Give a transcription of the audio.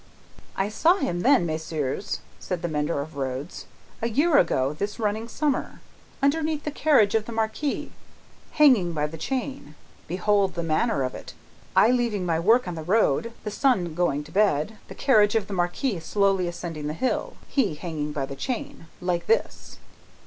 "I saw him then, messieurs," began the mender of roads, "a year ago this running summer, underneath the carriage of the Marquis, hanging by the chain. Behold the manner of it. I leaving my work on the road, the sun going to bed, the carriage of the Marquis slowly ascending the hill, he hanging by the chain like this."